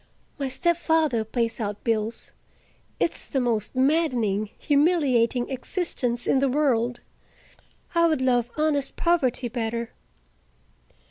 My stepfather pays our bills. It's the most maddening, humiliating existence in the world. I would love honest poverty better."